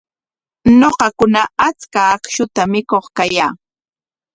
Ñuqakuna achka akshutam mikuq kayaa.